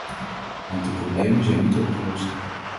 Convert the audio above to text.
Want de problemen zijn niet opgelost.